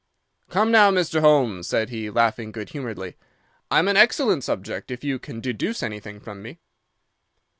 "'Come, now, Mr. Holmes,' said he, laughing good humoredly. 'I'm an excellent subject, if you can deduce anything from me.